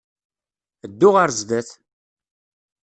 Ddu ɣer sdat!